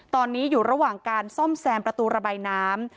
ตอนนี้อยู่ระหว่างการซ่อมแซมประตูระบายน้ำ